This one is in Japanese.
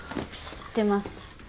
知ってます。